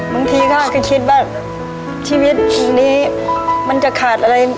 บางทีเขาก็คิดว่าชีวิตนี้มันจะขาดอะไร